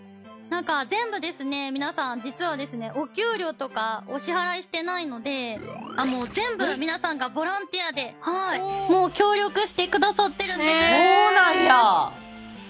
全部ですね皆さん実はですねお給料とかお支払いしてないので全部皆さんがボランティアで協力してくださってるんです。